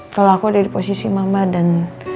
kalau aku ada di posisi mama dan